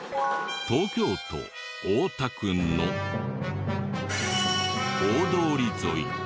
東京都大田区の大通り沿い。